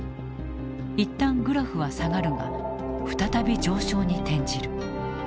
一旦グラフは下がるが再び上昇に転じる。